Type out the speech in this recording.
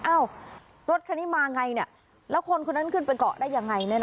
รถคันนี้มาไงแล้วคนคนนั้นขึ้นไปเกาะได้ยังไง